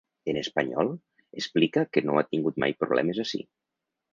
En espanyol, explica que no ha tingut mai problemes ací.